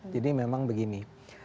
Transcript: jadi memang begini